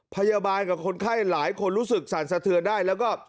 พยาบาลกับคนไข้หลายคนรู้สึกสั่นสะเทือนได้แล้วก็